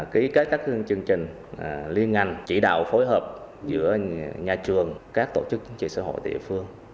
ký kết các chương trình liên ngành chỉ đạo phối hợp giữa nhà trường các tổ chức chính trị xã hội địa phương